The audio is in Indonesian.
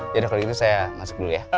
ya udah kalau gitu saya masuk dulu ya